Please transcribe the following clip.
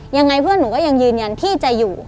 ยังไงเพื่อนหนูก็ยังยืนยันที่จะอยู่